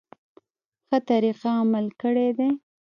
ښه طریقه عمل کړی دی.